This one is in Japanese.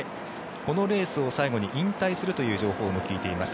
このレースを最後に引退するという情報も聞いています。